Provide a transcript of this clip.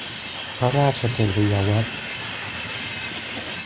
พระราชจริยวัตร